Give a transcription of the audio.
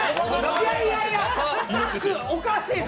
いやいやいや、おかしいぞ。